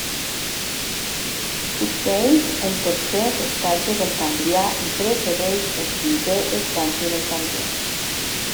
Succeeix el tercer estatge del Cambrià i precedeix el cinquè estatge del Cambrià.